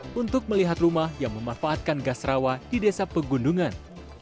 dan sawah untuk melihat rumah yang memanfaatkan gas rawa di desa pegundungan